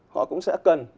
họ cũng sẽ cần